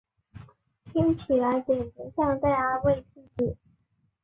听起来简直像在安慰自己